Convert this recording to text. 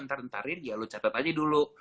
ntar ntarin ya lu catet aja dulu